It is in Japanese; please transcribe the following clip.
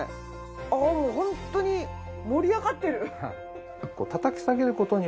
ああもう本当に盛り上がってる。